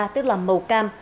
tức là màu cam